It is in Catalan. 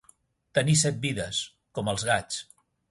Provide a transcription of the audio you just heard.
Tenir set vides, com els gats.